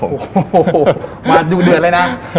โอ้โหมาดูเดือดเลยนะ